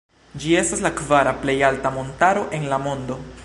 Ĝi estas la kvara plej alta montaro en la mondo.